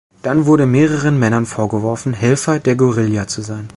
Dann wurde mehreren Männern vorgeworfen, Helfer der Guerilla zu sein.